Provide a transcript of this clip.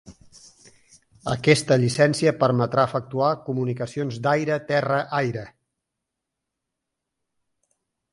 Aquesta llicència permetrà efectuar comunicacions d'aire-terra-aire.